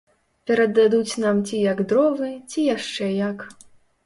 Перададуць нам ці як дровы, ці яшчэ як.